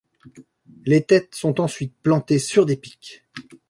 Les têtes sont ensuite plantées sur des piques.